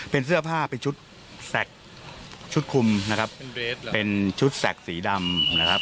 เป็นเสื้อผ้าเป็นชุดชุดคุมนะครับเป็นชุดแสกสีดำนะครับ